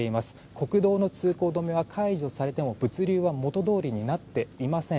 国道の通行止めは解除されても物流は元どおりになっていません。